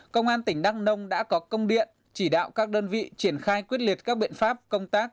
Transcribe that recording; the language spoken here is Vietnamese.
công an tỉnh đắk nông đã có công điện chỉ đạo các đơn vị triển khai quyết liệt các biện pháp công tác